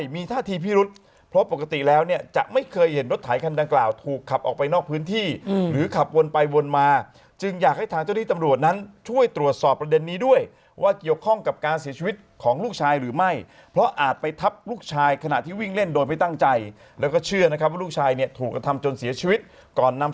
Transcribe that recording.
มีท่าทีพิรุษเพราะปกติแล้วเนี่ยจะไม่เคยเห็นรถไถคันดังกล่าวถูกขับออกไปนอกพื้นที่หรือขับวนไปวนมาจึงอยากให้ทางเจ้าที่ตำรวจนั้นช่วยตรวจสอบประเด็นนี้ด้วยว่าเกี่ยวข้องกับการเสียชีวิตของลูกชายหรือไม่เพราะอาจไปทับลูกชายขณะที่วิ่งเล่นโดยไม่ตั้งใจแล้วก็เชื่อนะครับว่าลูกชายเนี่ยถูกกระทำจนเสียชีวิตก่อนนำ